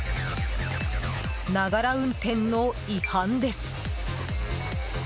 ながら運転の違反です！